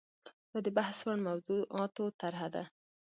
دا د بحث وړ موضوعاتو طرحه ده.